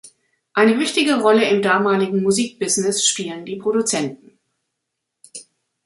Eine wichtige Rolle im damaligen Musikbusiness spielen die Produzenten.